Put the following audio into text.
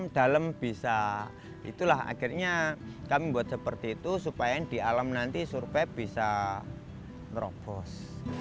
dalam bisa itulah akhirnya kami buat seperti itu supaya di alam nanti surpet bisa merobos